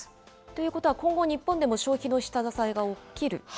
ということは、今後日本でも消費の下支えが起きる？